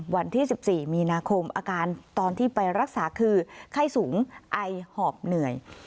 วันที่๑๔มีนาคมอาการตอนที่ไปรักษาคือไข้สูงไอหอบเหนื่อย